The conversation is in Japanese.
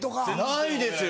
ないですよ